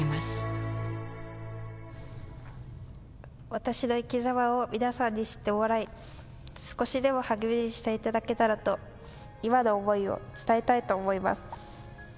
私の生きざまを皆さんに知ってもらい、少しでも励みにしていただければと、今の思いを伝えたいと思います。